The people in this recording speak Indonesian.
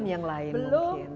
belum yang lain mungkin